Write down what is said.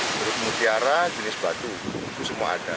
pasir batik bambu berukmu tiara jenis batu itu semua ada